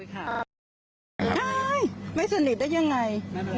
ใช่ไม่สนิทได้ยังไง